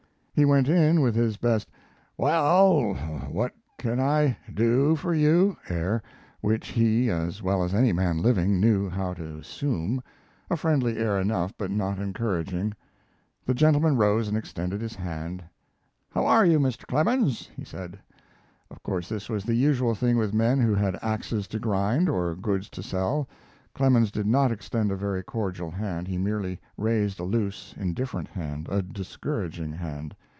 He went in with his best, "Well, what can I do for you?" air, which he, as well as any man living, knew how to assume; a friendly air enough, but not encouraging. The gentleman rose and extended his hand. "How are you, Mr. Clemens?" he said. Of course this was the usual thing with men who had axes to grind or goods to sell. Clemens did not extend a very cordial hand. He merely raised a loose, indifferent hand a discouraging hand.